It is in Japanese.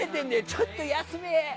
ちょっと休め！